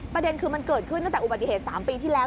ประเด็นคือมันเกิดขึ้นตั้งแต่อุบัติเหตุ๓ปีที่แล้ว